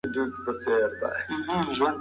پوښتنې باید له متخصص وشي.